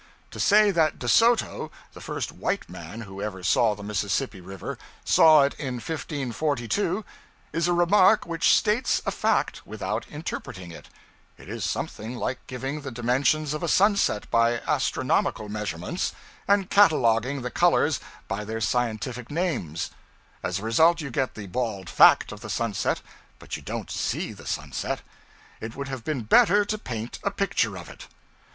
To say that De Soto, the first white man who ever saw the Mississippi River, saw it in 1542, is a remark which states a fact without interpreting it: it is something like giving the dimensions of a sunset by astronomical measurements, and cataloguing the colors by their scientific names; as a result, you get the bald fact of the sunset, but you don't see the sunset. It would have been better to paint a picture of it.